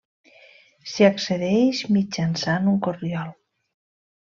S'hi accedeix mitjançant un corriol.